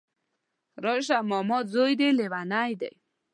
راشه ماما ځوی دی ليونی دی